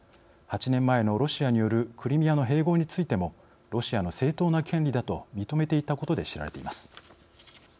８年前のロシアによるクリミアの併合についても「ロシアの正当な権利だ」と認めていたことで知られています。